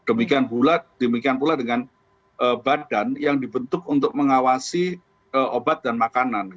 demikian pula demikian pula dengan badan yang dibentuk untuk mengawasi obat dan makanan